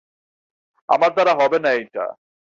আমার দ্বারা হবেনা এইটা।